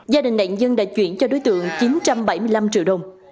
gia đình nạn nhân đã chuyển cho đối tượng chín trăm bảy mươi năm triệu đồng